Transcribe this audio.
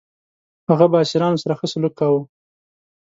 هغه به اسیرانو سره ښه سلوک کاوه.